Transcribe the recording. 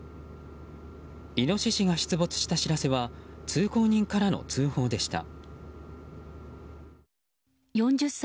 イノシシが出没した知らせは通行人からの知らせでした。